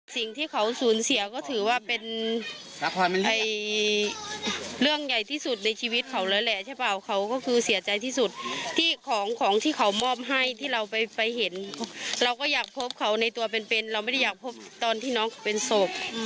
สิ่งที่เขาสูญเสียก็ถือว่าเป็นเรื่องใหญ่ที่สุดในชีวิตเขาแล้วแหละใช่เปล่าเขาก็คือเสียใจที่สุดที่ของของที่เขามอบให้ที่เราไปเห็นเราก็อยากพบเขาในตัวเป็นเป็นเราไม่ได้อยากพบตอนที่น้องเป็นศพ